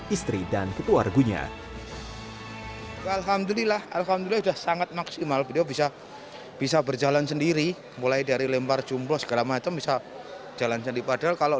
istri dan ketua regunya